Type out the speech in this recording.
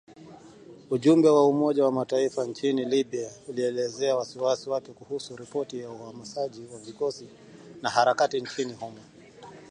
Ujumbe wa Umoja wa Mataifa nchini Libya ulielezea wasiwasi wake kuhusu ripoti ya uhamasishaji wa vikosi na harakati nchini humo .